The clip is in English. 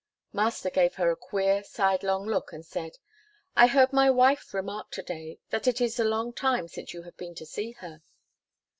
Master gave her a queer, sidelong look and said, "I heard my wife remark to day, that it is a long time since you have been to see her."